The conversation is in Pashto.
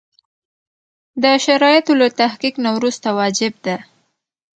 د شرایطو له تحقق نه وروسته واجب ده.